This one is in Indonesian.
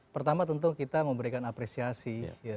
pertama tentu kita memberikan apresiasi